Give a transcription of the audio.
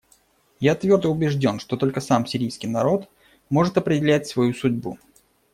Я твердо убежден, что только сам сирийский народ может определять свою судьбу.